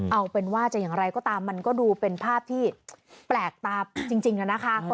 เอาเป็นว่าจะอย่างไรก็ตามมันก็ดูเป็นภาพที่แปลกตาจริงนะคะ